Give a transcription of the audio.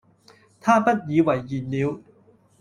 他不以爲然了。